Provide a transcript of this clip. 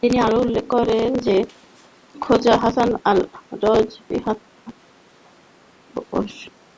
তিনি আরো উল্লেখ করেন যে খাজা হাসান আল-বসরী হাতে বায়াত দানের পূর্বে ইমাম আবু হানিফা থেকে শিক্ষা গ্রহণ করেছিলেন।